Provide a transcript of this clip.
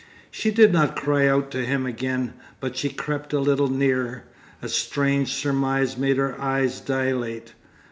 She did not cry out to him again, but she crept a little nearer. A strange surmise made her eyes dilate.